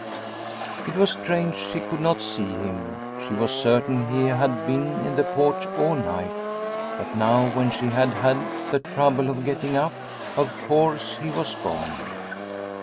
It was strange she could not see him. She was certain he had been in the porch all night, but now, when she had had the trouble of getting up, of course he was gone.